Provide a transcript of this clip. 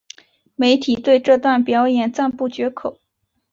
媒体对这段表演赞不绝口。